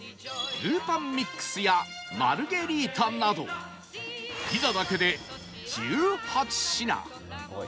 るーぱんミックスやマルゲリータなどピザだけで１８品